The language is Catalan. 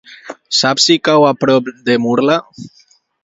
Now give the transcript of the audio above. Saps si cau a prop de Murla?